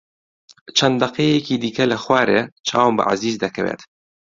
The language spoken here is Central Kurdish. چەند دەقەیەکی دیکە لە خوارێ چاوم بە عەزیز دەکەوێت.